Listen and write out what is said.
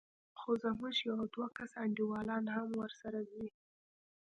خو زموږ يو دوه کسه انډيوالان هم ورسره ځي.